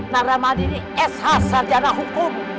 naramadi ini sh sarjana hukum